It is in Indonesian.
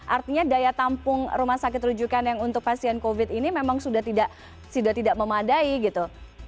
artinya daya tampung rumah sakit rujukan yang untuk pasien covid ini memang sudah tidak memadai gitu